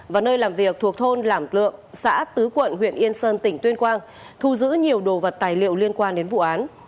và nơi làm việc thuộc thôn lảm lượng xã tứ quận huyện yên sơn tỉnh tuyên quang thu giữ nhiều đồ vật tài liệu liên quan đến vụ án